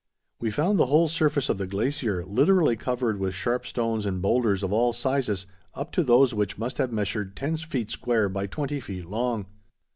We found the whole surface of the glacier literally covered with sharp stones and boulders of all sizes up to those which must have measured ten feet square by twenty feet long.